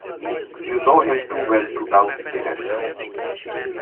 You know him too well to doubt the rest.